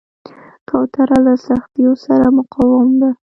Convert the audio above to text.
کوتره له سختیو سره مقاوم ده.